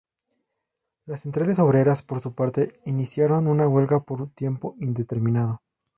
Las centrales obreras, por su parte, iniciaron una huelga por tiempo indeterminado.